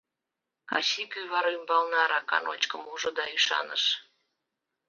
Качий кӱвар ӱмбалне арака ночкым ужо да ӱшаныш.